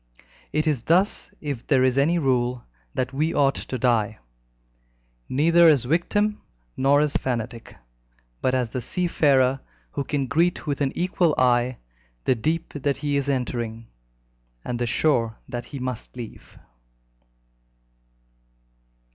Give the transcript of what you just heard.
It is thus, if there is any rule, that we ought to die neither as victim nor as fanatic, but as the seafarer who can greet with an equal eye the deep that he is entering, and the shore that he must leave.